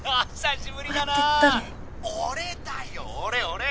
俺だよ俺俺！